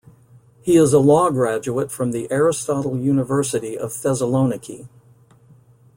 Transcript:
He is a law graduate from the Aristotle University of Thessaloniki.